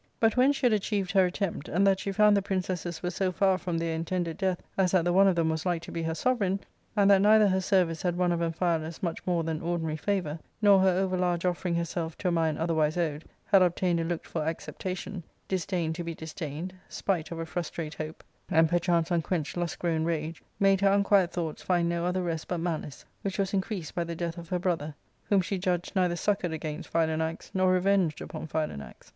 But when she had achieved her attempt, and that she found the princesses were so far from their intended death as that the one of them was like to be her sovereign, and that neither her service had won of Amphialus much more than ordinary favour, nor her over large offering herself to a mind otherwise owed had obtained a looked for acceptation, disdain to be disdained, spite of a frustrate hope, and perchance unquenched ' lust grown rage, made her unquiet thoughts find no other rest but mahce, which was increased by the death of her brother, whom she judged neither succoured against Philanax nor revenged upon Philanax.